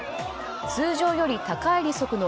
通常より高い利息の